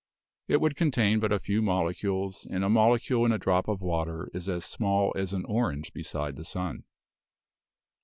It would contain but a few molecules, and a molecule in a drop of water is as small as an orange beside the sun.